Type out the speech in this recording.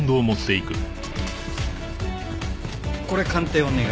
これ鑑定お願い。